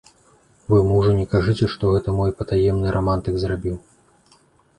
Вы мужу не кажыце, што гэта мой патаемны рамантык зрабіў.